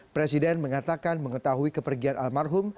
presiden mengatakan mengetahui kepergian almarhum